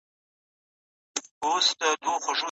د ډهلي د سلطنت ملا یې کړه ماته